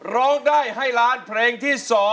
ร้องได้ให้ล้านเพลงที่๒